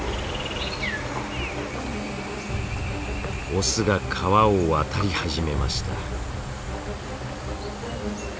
オスが川を渡り始めました。